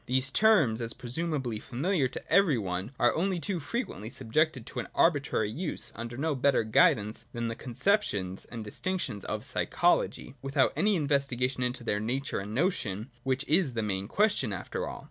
These terms, as presumably familiar to every one, are only too frequently subjected to an arbitrary use, under no better guidance than the conceptions and distinctions of psychology, without any investigation into their nature and notion, which is the main question after all.